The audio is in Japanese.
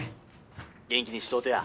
元気にしとうとや。